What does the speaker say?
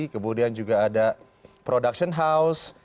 kemudian juga ada production house